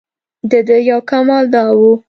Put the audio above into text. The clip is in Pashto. دده یو کمال دا و.